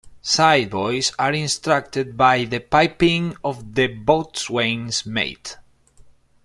Sideboys are instructed by the piping of the Boatswain's Mate.